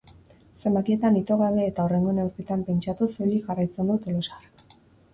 Zenbakietan ito gabe eta hurrengo neurketan pentsatuz soilik jarraitzen du tolosarrak.